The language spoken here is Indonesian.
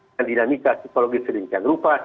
dan dinamika psikologis sedemikian rupa